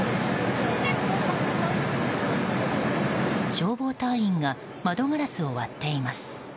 消防隊員が窓ガラスを割っています。